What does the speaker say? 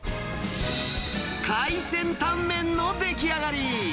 海鮮タンメンの出来上がり。